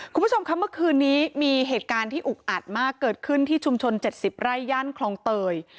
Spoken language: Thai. คุณผู้ชมครับเมื่อคืนนี้มีเหตุการณ์ที่อุกอัดมากเกิดขึ้นที่ชุมชน๗๐ไร่ย่านคลองเตย